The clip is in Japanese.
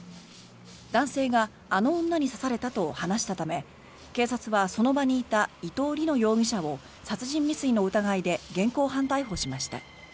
男性があの女に刺されたと話したため警察は、その場にいた伊藤りの容疑者を殺人未遂の疑いで現行犯逮捕しました。